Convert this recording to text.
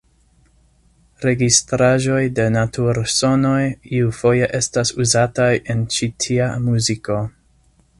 Registraĵoj de natur-sonoj iufoje estas uzataj en ĉi tia muziko.